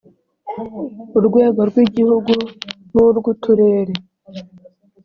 urwego rw igihugu n urw uturere